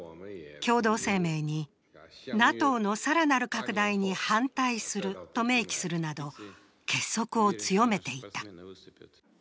共同声明にＮＡＴＯの更なる拡大に反対すると明記するなど結束を強めていた。